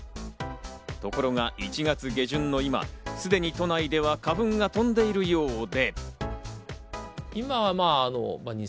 ところが１月下旬の今、すでに都内では花粉が飛んでいるようで。